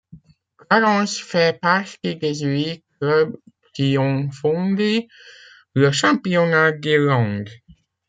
Clarence fait partie des huit club qui ont fondé le championnat d'Irlande.